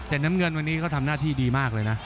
แต่น้ำเงินวันนี้เขาทำหน้าที่ดีมากเลยนะ